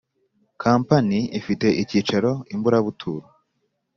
Kampani ifite icyicaro i Mburabuturo